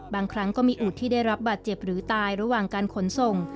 ครั้งก็มีอูดที่ได้รับบาดเจ็บหรือตายระหว่างการขนส่ง